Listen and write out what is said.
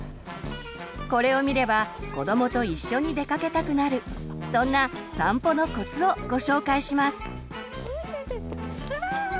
これを見れば子どもと一緒に出かけたくなるそんな散歩のコツをご紹介します。